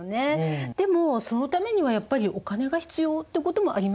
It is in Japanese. でもそのためにはやっぱりお金が必要ってこともありますよね。